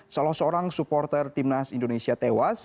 salah seorang supporter timnas indonesia tewas